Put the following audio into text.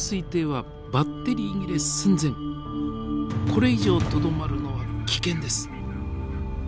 これ以上とどまるのは危険です。